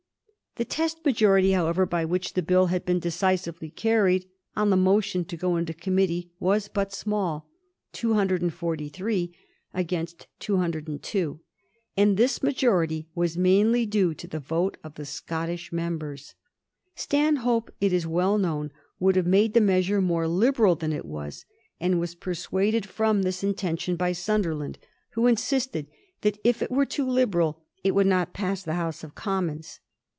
The test majority, however, by which the Bill had been decisively carried, on the motion to go into committee, was but small — 243 against 202 — ^and this majority was mainly due to the vote of the Scottish members. Stanhope, it is weU known, would have made the measure more liberal than it was, and was dissuaded fix>m this intention by Simderland, who insisted that if it were too liberal it would not pass the House of Commons.